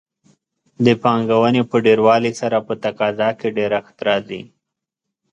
د پانګونې په ډېروالي سره په تقاضا کې ډېرښت راځي.